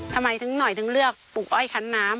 ทำไมถึงหน่อยถึงเลือกปลูกอ้อยคันน้ำ